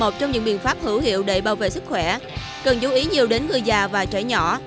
trong những biện pháp hữu hiệu để bảo vệ sức khỏe cần chú ý nhiều đến người già và trẻ nhỏ